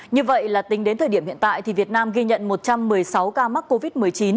như vậy là tính đến thời điểm hiện tại thì việt nam ghi nhận một trăm một mươi sáu ca mắc covid một mươi chín